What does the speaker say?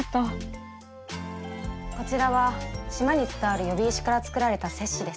こちらは島に伝わる喚姫石から作られた鑷子です。